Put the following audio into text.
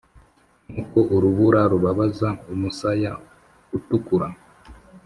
nkuko urubura rubabaza umusaya utukura.